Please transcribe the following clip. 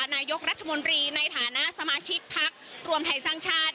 นายกรัฐมนตรีในฐานะสมาชิกพักรวมไทยสร้างชาติ